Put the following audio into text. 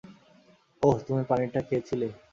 ওহ, তুমি পানিটা খেয়েছিলে।